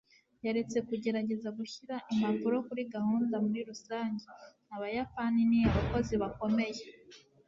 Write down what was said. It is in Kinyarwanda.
yaretse kugerageza gushyira impapuro kuri gahunda muri rusange, abayapani ni abakozi bakomeye